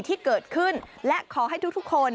ที่เกิดขึ้นและขอให้ทุกคน